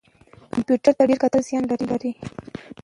کمپیوټر ته ډیر کتل زیان لري